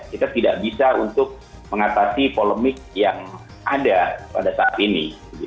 kita tidak bisa untuk mengatasi polemik yang ada pada saat ini